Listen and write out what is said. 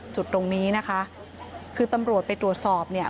จุดตรงนี้นะคะคือตำรวจไปตรวจสอบเนี่ย